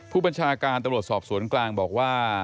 ผู้บัญชาการตำรวจสอบสวนกลางบอกว่า